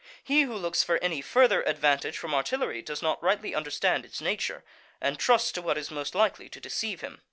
He who looks for any further advantage from artillery does not rightly understand its nature, and trusts to what is most likely to deceive him.